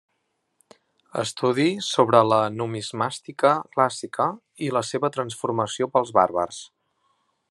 Estudi sobre la numismàtica clàssica i la seva transformació pels bàrbars.